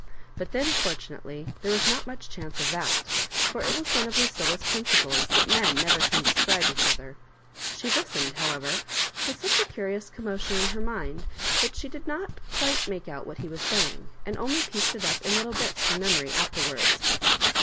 But then, for tunately, there was not much chance of that; for it was one of Lucilla's principles that men never can describe each other. She listened, however, with such a curious commotion in her mind, that she did not quite make out what he was saying, and only pieced it up in little bits fh)m memo ry afterwards.